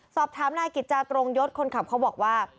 สอบถามนายกิจจาตรงยศคนขับเขาบอกว่า